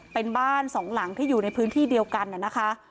เป็นบ้านสองหลังที่อยู่ในพื้นที่เดียวกันนะคะ